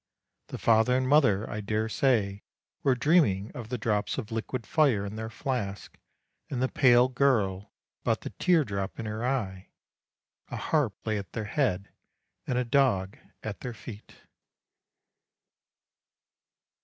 The father and mother, I dare say, were dreaming of the drops of liquid fire in their flask, and the pale girl about the tear drop in her eye; a harp lay at their head, and a dog at their feet."